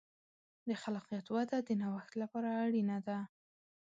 د خلاقیت وده د نوښت لپاره اړینه ده.